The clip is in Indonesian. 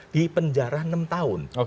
dipenjarah enam tahun